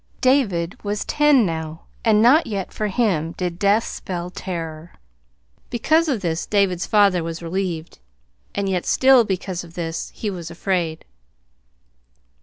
David was ten now, and not yet for him did death spell terror. Because of this David's father was relieved; and yet still because of this he was afraid.